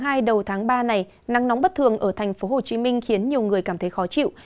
năm tháng ba này nắng nóng bất thường ở thành phố hồ chí minh khiến nhiều người cảm thấy khó chịu